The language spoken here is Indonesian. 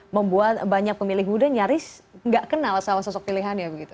membuat banyak pemilih muda nyaris nggak kenal sama sosok pilihannya begitu